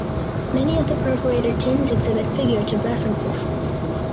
Many of the perforated tins exhibit figurative references.